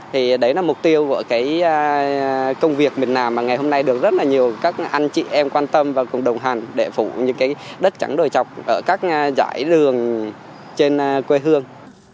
thì đấy là mục tiêu của cái công việc mình làm mà ngày hôm nay được rất là nhiều các anh chị em quan tâm và cùng đồng hành để phủ những cái đất trắng đời chọc ở các giải lường trên quê hương